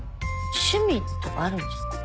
趣味とかあるんですか？